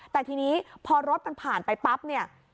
แต่ทีนี้พอรถมันผ่านไปปั๊บเนี่ย